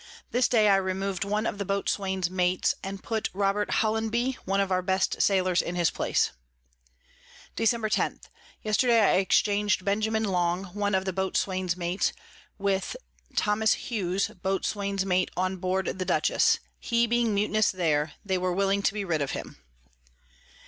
This day I remov'd one of the Boatswain's Mates, and put Rob. Hollanby one of our best Sailors in his place. [Sidenote: From Grande towards Juan Fernandez.] Dec. 10. Yesterday I exchang'd Benjamin Long, one of the Boatswain's Mates, with Tho. Hughes Boatswain's Mate on board the Dutchess; he being mutinous there, they were willing to be rid of him.